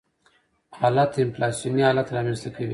حالت انفلاسیوني حالت رامنځته کوي.